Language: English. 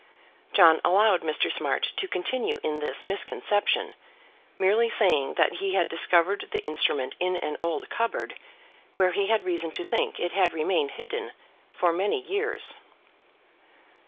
John allowed Mr. Smart to continue in this misconception, merely saying that he had discovered the instrument in an old cupboard, where he had reason to think it had remained hidden for many years.